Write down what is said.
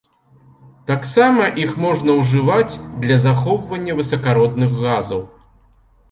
Таксама іх можна ўжываць для захоўвання высакародных газаў.